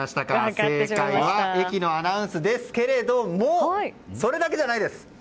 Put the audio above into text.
正解は駅のアナウンスですけれどもそれだけじゃないんです。